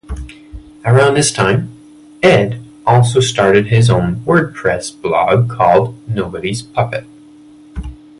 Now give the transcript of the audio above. Around this time, Ed also started his own WordPress blog called Nobody's Puppet!